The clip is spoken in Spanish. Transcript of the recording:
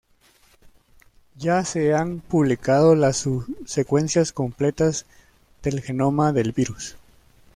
Ya se han publicado las secuencias completas del genoma del virus.